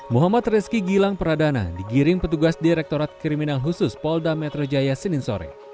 muhammad rizki gilang pradana digiring petugas direktorat kriminal khusus polda metro jaya senin sore